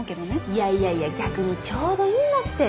いやいやいや逆にちょうどいいんだって。